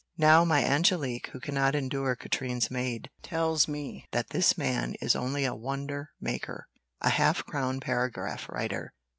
Now, my Angelique, who cannot endure Katrine's maid, tells me that this man is only a wonder maker, a half crown paragraph writer.